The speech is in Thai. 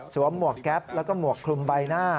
หมวกแก๊ปแล้วก็หมวกคลุมใบหน้า